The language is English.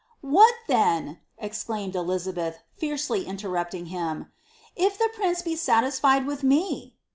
What then !" exclaimed Elizabeth, fiercely interrupting him, " if the prince be sati:<ficd with me